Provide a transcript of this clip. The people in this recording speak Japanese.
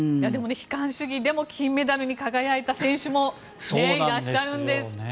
悲観主義でも金メダルに輝いた選手もいらっしゃるんです。